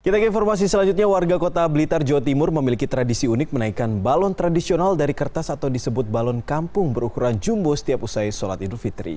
kita ke informasi selanjutnya warga kota blitar jawa timur memiliki tradisi unik menaikkan balon tradisional dari kertas atau disebut balon kampung berukuran jumbo setiap usai sholat idul fitri